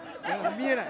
見えない。